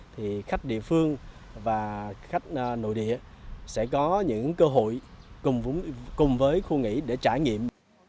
thì khách địa phương và khách nội địa sẽ có những cơ hội cùng với khu nghỉ để trải nghiệm